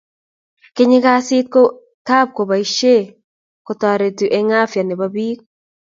kenyeei kazii kab kabotishee kotoretuu en afya nebo biik